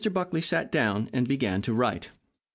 Buckley sat down and began to write.